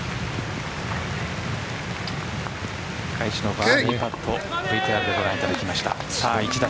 返しのバーディーパットをＶＴＲでご覧いただきました。